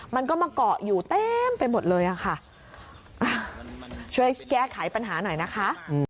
มันก็มาเกาะอยู่เต็มไปหมดเลยอะค่ะช่วยแก้ไขปัญหาหน่อยนะคะ